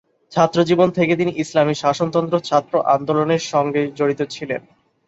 ছাত্রজীবন থেকে তিনি ইসলামী শাসনতন্ত্র ছাত্র আন্দোলনের সঙ্গে জড়িত ছিলেন।